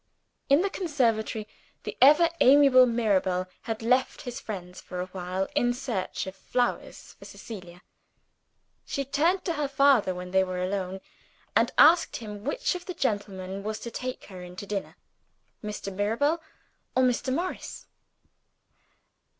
In the conservatory the ever amiable Mirabel had left his friends for a while in search of flowers for Cecilia. She turned to her father when they were alone, and asked him which of the gentlemen was to take her in to dinner Mr. Mirabel or Mr. Morris?